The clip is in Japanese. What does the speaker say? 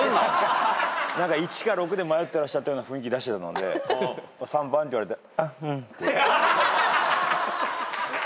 １か６で迷ってらっしゃったような雰囲気出してたので３番って言われて。